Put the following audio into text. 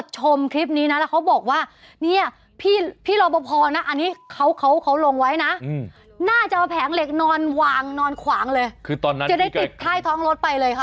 ชนเหล็กนอนหวางนอนขวางเลยจะได้ติดไท่ท้องรถไปเลยค่ะ